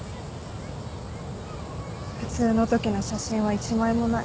普通のときの写真は１枚もない。